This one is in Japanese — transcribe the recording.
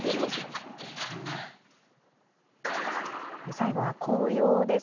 最後は紅葉です。